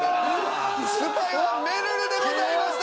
スパイはめるるでございました！